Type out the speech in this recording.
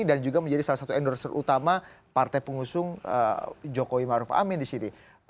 dan juga menjadi salah satu endorser utama partai pengusung jokowi ma'ruf amin disini